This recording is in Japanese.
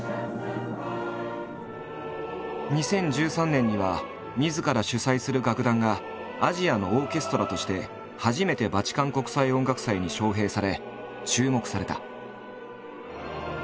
２０１３年にはみずから主宰する楽団がアジアのオーケストラとして初めてバチカン国際音楽祭に招聘され注目された。